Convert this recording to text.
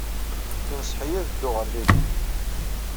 Yenṣeḥ-iyi ad dduɣ ɣer dihin.